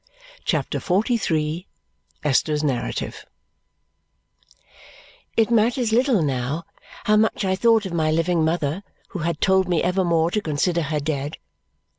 CHAPTER XLIII Esther's Narrative It matters little now how much I thought of my living mother who had told me evermore to consider her dead.